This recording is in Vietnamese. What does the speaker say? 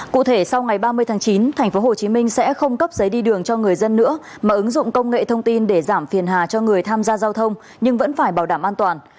cụ thể sau ngày ba mươi tháng chín tp hcm sẽ không cấp giấy đi đường cho người dân nữa mà ứng dụng công nghệ thông tin để giảm phiền hà cho người tham gia giao thông nhưng vẫn phải bảo đảm an toàn